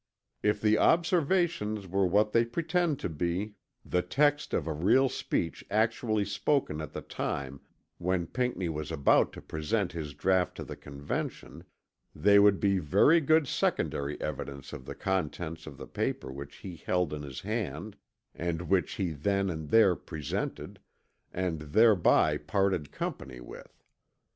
If the Observations were what they pretend to be the text of a real speech actually spoken at the time when Pinckney was about to present his draught to the Convention they would be very good secondary evidence of the contents of the paper which he held in his hand and which he then and there presented, and thereby parted company with.